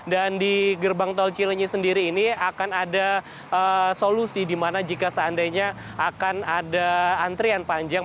dan di gerbang tol cilanyi sendiri ini akan ada solusi di mana jika seandainya akan ada antrian panjang